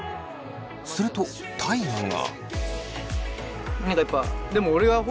すると大我が。